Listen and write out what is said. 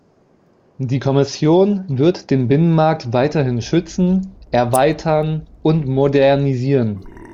Die Kommission wird den Binnenmarkt weiterhin schützen, erweitern und modernisieren.